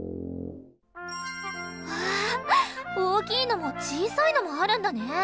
わ大きいのも小さいのもあるんだね。